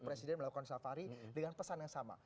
presiden melakukan safari dengan pesan yang sama